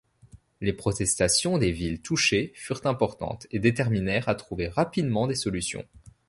Les protestations des villes touchées furent importantes et déterminèrent à trouver rapidement des solutions.